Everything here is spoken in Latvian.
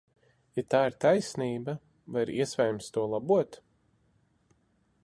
Ja tā ir taisnība, vai ir iespējams to labot?